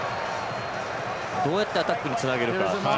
どうやってアタックにつなげるか。